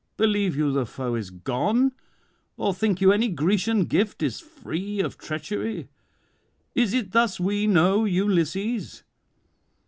Believe you the foe is gone? or think you any Grecian gift is free of treachery? is it thus we know Ulysses?